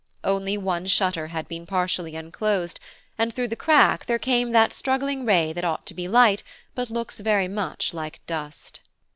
Only one shutter had been partially unclosed, and through the crack there came that struggling ray that ought to be light, but looks very much like dust.